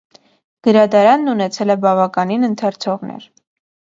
Գրադարանն ունեցել բավականին ընթերցողներ։